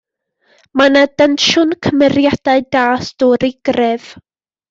Mae 'na densiwn, cymeriadau da, stori gref.